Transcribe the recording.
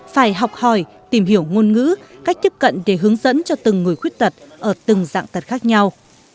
phải học hỏi tìm hiểu ngôn ngữ cách tiếp cận để hướng dẫn cho từng người khuyết tật ở từng dạng tật khác nhau